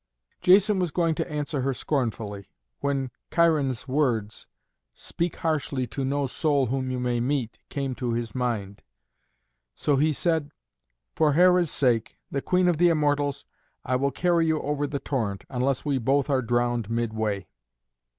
Jason was going to answer her scornfully, when Cheiron's words, "Speak harshly to no soul whom you may meet," came to his mind. So he said, "For Hera's sake, the Queen of the Immortals, I will carry you over the torrent, unless we both are drowned midway."